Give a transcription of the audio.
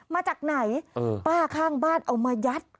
มาจากไหนป้าข้างบ้านเอามายัด